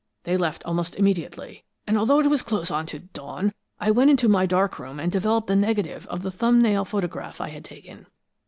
They left almost immediately, and although it was close on to dawn, I went into my dark room, and developed the negative of the thumbnail photograph I had taken.